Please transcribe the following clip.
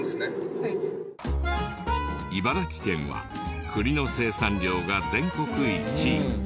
茨城県は栗の生産量が全国１位。